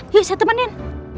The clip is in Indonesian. yuk saya temenin